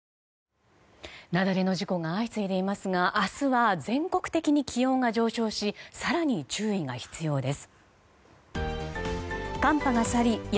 雪崩の事故が相次いでいますが明日は全国的に気温が上昇し更に注意が必要です。